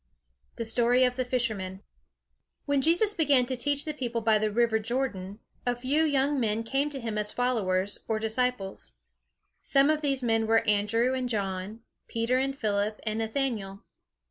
THE STORY OF THE FISHERMEN When Jesus began to teach the people by the river Jordan, a few young men came to him as followers, or disciples. Some of these men were Andrew and John, Peter and Philip and Nathanael.